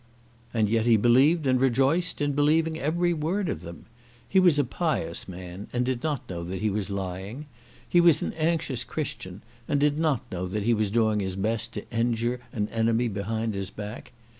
And yet he believed and rejoiced in believing every word of them. He was a pious man, and did not know that he was lying. He was an anxious Christian, and did not know that he was doing his best to injure an enemy behind his back.